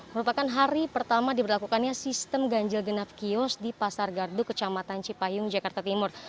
merupakan hari pertama diberlakukannya sistem ganjil genap kios di pasar gardu kecamatan cipayung jakarta timur